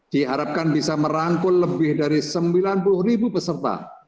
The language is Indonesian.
diharapkan bisa merangkul lebih dari sembilan puluh ribu peserta